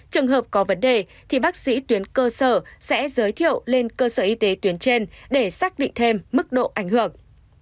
trường hợp có vấn đề thì bác sĩ tuyến cơ sở sẽ giới thiệu lên cơ sở y tế tuyến trên để xác định thêm mức độ ảnh hưởng